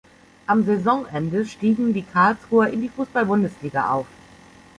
Am Saisonende stiegen die Karlsruher in die Fußball-Bundesliga auf.